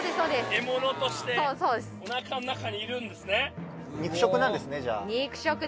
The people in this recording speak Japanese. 獲物としておなかの中にいるんですね